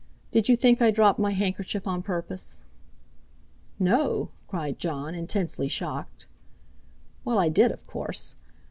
"Did you think I dropped my handkerchief on purpose?" "No!" cried Jon, intensely shocked. "Well, I did, of course.